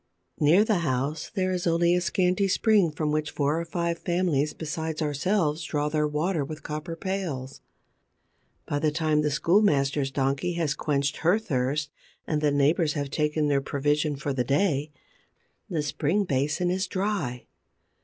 Near the house there is only a scanty spring from which four or five families besides ourselves draw their water with copper pails. By the time that the schoolmasters donkey has quenched her thirst and the neighbors have taken their provision for the day, the spring basin is dry.